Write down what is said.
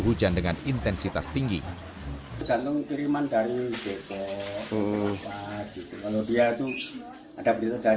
hujan dengan intensitas tinggi dan mengkirimkan dari jepang kalau dia tuh ada berita dan